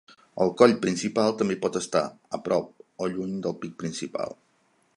El coll principal també pot estar a prop o lluny del pic principal.